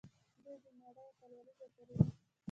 دوی د نړۍ اتلولي ګټلې ده.